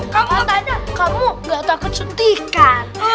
katanya kamu gak takut suntikan